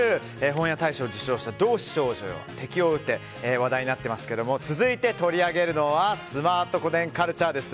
本屋大賞を受賞した「同志少女よ、敵を撃て」話題になっていますけれども続いて取り上げるのはスマート個電カルチャーです。